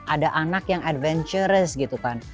ada anak yang adventurous gitu kan